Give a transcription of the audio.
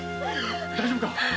大丈夫か？